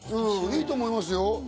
いいと思いますよ。